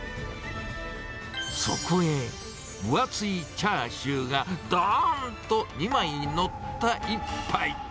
そこへ、分厚いチャーシューがどーんと２枚載った一杯。